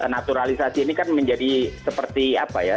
naturalisasi ini kan menjadi seperti apa ya